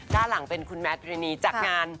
ด้านหลังเป็นคุณแมทรินีจากงาน